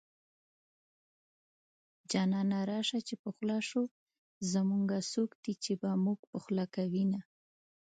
جانانه راشه چې پخلا شو زمونږه څوک دي چې به مونږ پخلا کوينه